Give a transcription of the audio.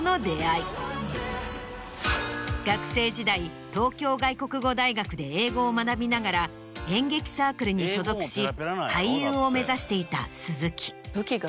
学生時代東京外国語大学で英語を学びながら演劇サークルに所属し俳優を目指していた鈴木。